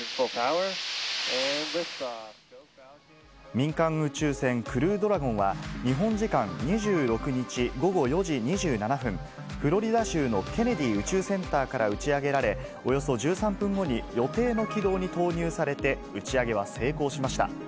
民間宇宙船、クルードラゴンは、日本時間２６日午後４時２７分、フロリダ州のケネディ宇宙センターから打ち上げられ、およそ１３分後に予定の軌道に投入されて、打ち上げは成功しました。